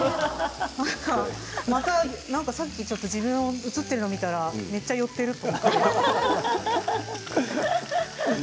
また、さっきちょっと自分が映っているのを見たらめっちゃ寄っているって。